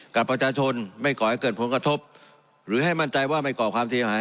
กับประชาชนไม่ก่อให้เกิดผลกระทบหรือให้มั่นใจว่าไม่ก่อความเสียหาย